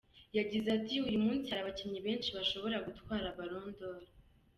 Ygize ati “Uyu munsi hari abakinnyi benshi bashobora gutwara Ballon d’or.